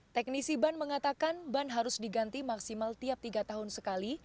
teknisi ban mengatakan ban harus diganti maksimal tiap tiga tahun sekali